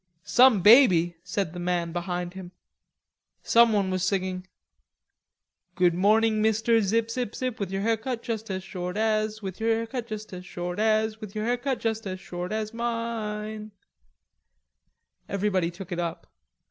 "Some baby," said the man behind him. Someone was singing: "Good morning, mister Zip Zip Zip, With your hair cut just as short as, With your hair cut just as short as, With your hair cut just as short as mi ine." Everybody took it up.